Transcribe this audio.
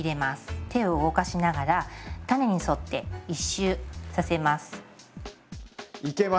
手を動かしながら種に沿って一周させます。